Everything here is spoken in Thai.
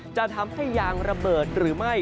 จะทำให้ยางระเบิดหรือไม่